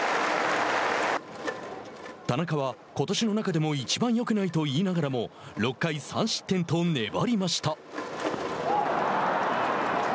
田中は「ことしの中でもいちばんよくない」と言いながらも６回３失点と粘りました。